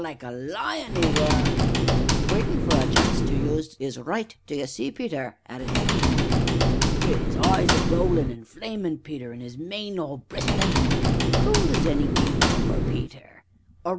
like a lion 'e were " "Waitin' for a chance to use 'is 'right, d'ye see, Peter!" added Simon. ANCIENT. Wi' 'is eyes a rollin' an' flamin', Peter, an' 'is mane all bristlin' SIMON. Cool as any cucumber, Peter ANCIENT.